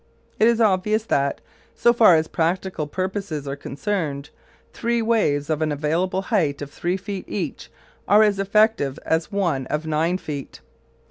It is obvious that, so far as practical purposes are concerned, three waves of an available height of three feet each are as effective as one of nine feet.